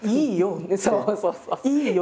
いいよ！